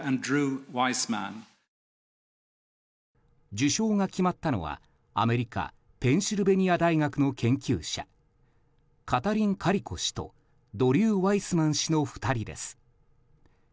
受賞が決まったのは、アメリカペンシルベニア大学の研究者カタリン・カリコ氏とドリュー・ワイスマン氏の２人です。